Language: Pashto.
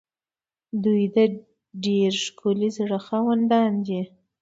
دوی د ډېر ښکلي زړه خاوندان دي.